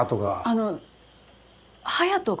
あの隼斗が？